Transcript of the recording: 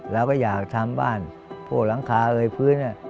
แล้วก็จะทำบ้านหลังคาด้วยภื้นและ